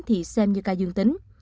thì xem như ca dương tính